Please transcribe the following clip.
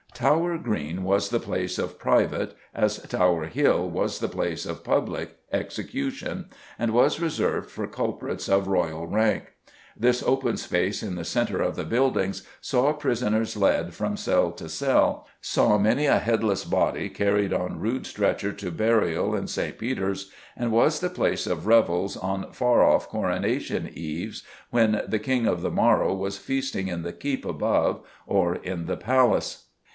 Tower Green was the place of private, as Tower Hill was the place of public, execution, and was reserved for culprits of Royal rank. This open space in the centre of the buildings saw prisoners led from cell to cell, saw many a headless body carried on rude stretcher to burial [Illustration: THE KING'S HOUSE FROM TOWER GREEN] in St. Peter's, and was the place of revels on far off coronation eves when the King of the morrow was feasting in the Keep above or in the Palace.